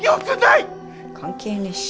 関係ねえし。